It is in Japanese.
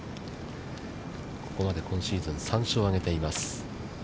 ここまで今シーズン３勝を挙げています。